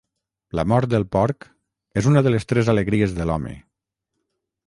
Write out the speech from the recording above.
La mort del porc és una de les tres alegries de l'home.